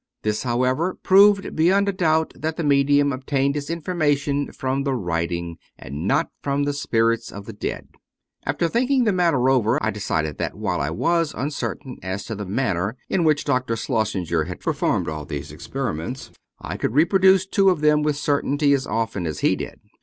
This, however, proved beyond a doubt that the medium obtained his information from the writing, and not from the spirits of the dead. •••.• After thinking the matter over, I decided that, while I was uncertain as to the manner in which Dr. Schlossenger had performed all of these experiments, I could reproduce two of them with certainty as often as he did.